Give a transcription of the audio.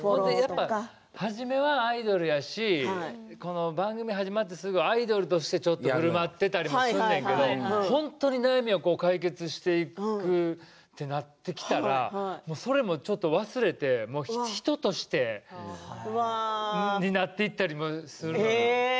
初めはアイドルやしこの番組始まってすぐアイドルとして、ちょっとふるまっていたりするんねんけど本当に悩みを解決していくとなってきたらそれもちょっと忘れて、人としてなっていったりもするのよ。